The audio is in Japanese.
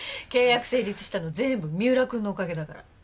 契約成立したの全部三浦君のおかげだから。